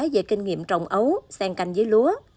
về kinh nghiệm trồng ấu sen canh với lúa